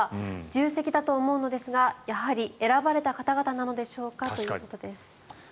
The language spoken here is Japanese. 重責だと思うのですがやはり選ばれた方々なのでしょうかということです。